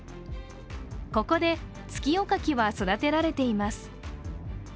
ここで月夜牡蠣は育てられています。